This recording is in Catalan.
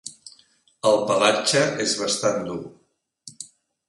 El pelatge és bastant dur.